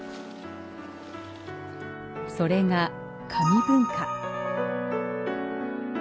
それが、紙文化。